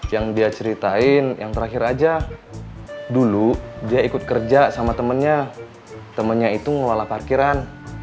yang dia ceritain yang terakhir aja dulu dia ikut kerja sama temennya temennya itu ngelola parkiran